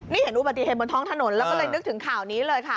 นี่เห็นอุบัติเหตุบนท้องถนนแล้วก็เลยนึกถึงข่าวนี้เลยค่ะ